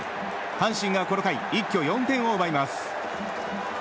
阪神がこの回一挙４点を奪います。